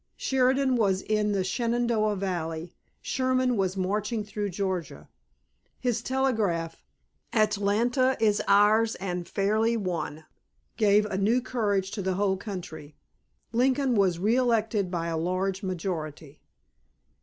Sheridan was in the Shenandoah Valley; Sherman was marching through Georgia. His telegram, "Atlanta is ours and fairly won," gave a new courage to the whole country. Lincoln was reëlected by a large majority.